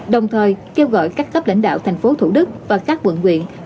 đồng thời kêu gọi các cấp lãnh đạo thành phố thủ đức và các quận quyện